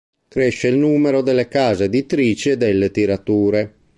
Cresce il numero delle case editrici e delle tirature.